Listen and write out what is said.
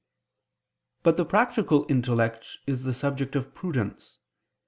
But the practical intellect is the subject of prudence.